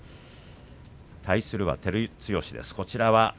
対するは照強です。